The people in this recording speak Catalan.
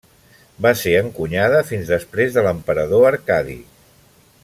Va ser encunyada fins després de l'emperador Arcadi.